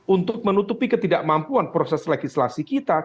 untuk menutupi ketidakmampuan proses legislasi kita